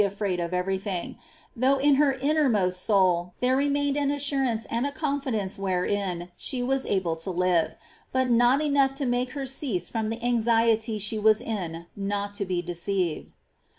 afraid of every thing, though in her innermost soul there re mained an assurance and a confidence wherein she was able to live, but not enough to make her cease from the anxiety she was in not to be deceived.